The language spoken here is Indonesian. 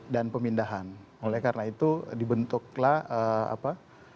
dan oleh karena itu dibentuklah apa